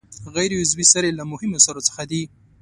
غیر عضوي سرې له مهمو سرو څخه دي.